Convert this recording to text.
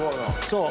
そう。